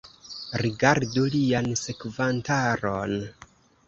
Rigardu lian sekvantaron!